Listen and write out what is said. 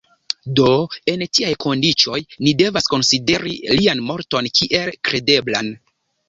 Do en tiaj kondiĉoj ni devas konsideri lian morton kiel kredeblan.